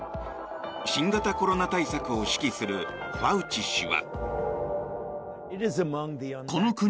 新型コロナ対策を指揮するファウチ氏は。